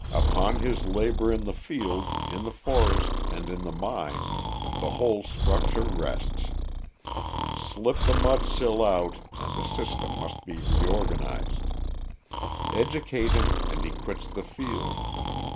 Upon his labour in the field, in the forest, and in the mine, the whole structure rests. Slip the mudsill out and the system must be reorganised.... Educate him and he quits the field.